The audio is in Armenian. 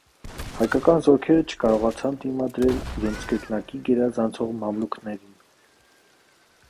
Հայկական զորքերը չկարողացան դիմադրել իրենց կրկնակի գերազանցող մամլուքներին։